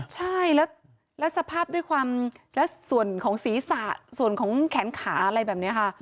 ใช่แล้วสภาพด้วยความและส่วนของศีรษะส่วนของแขนขาอะไรแบบนี้ค่ะ